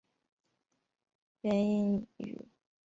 圆燕鱼为辐鳍鱼纲鲈形目鲈亚目白鲳科燕鱼属的一种鱼类。